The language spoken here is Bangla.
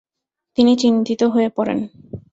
তিনি চিন্তিত হয়ে পড়েন।